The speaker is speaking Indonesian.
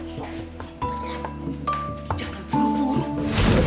suami pelindung keluarga